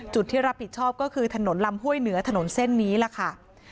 ที่รับผิดชอบก็คือถนนลำห้วยเหนือถนนเส้นนี้ล่ะค่ะ